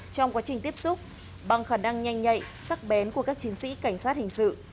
trong quá trình tiếp xúc bằng khả năng nhanh nhạy sắc bén của các chiến sĩ cảnh sát hình sự